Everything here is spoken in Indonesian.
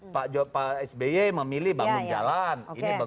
pak sby memilih bangun jalan